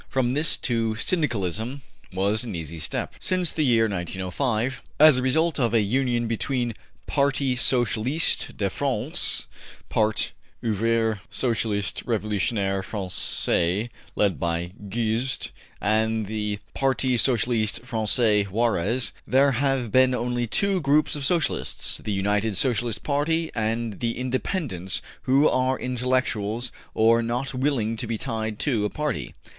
From this to Syndicalism was an easy step. Since the year 1905, as the result of a union between the Parti Socialiste de France (Part; Ouvrier Socialiste Revolutionnaire Francais led by Guesde) and the Parti Socialiste Francais (Jaures), there have been only two groups of Socialists, the United Socialist Party and the Independents, who are intellectuals or not willing to be tied to a party.